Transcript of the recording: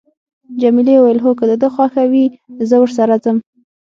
جميلې وويل: هو، که د ده خوښه وي، زه ورسره ځم.